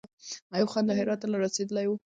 ایوب خان له هراته را رسېدلی وو.